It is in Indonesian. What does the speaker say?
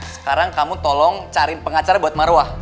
sekarang kamu tolong cari pengacara buat marwah